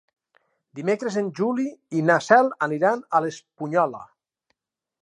Dimecres en Juli i na Cel aniran a l'Espunyola.